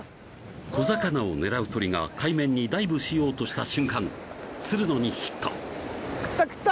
小魚を狙う鳥が海面にダイブしようとした瞬間つるのにヒット食った食った！